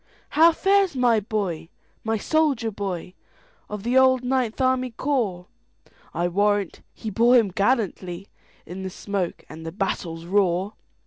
"How fares my boy,—my soldier boy, Of the old Ninth Army Corps?I warrant he bore him gallantlyIn the smoke and the battle's roar!"